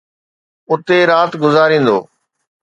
اتي رات گذاريندو.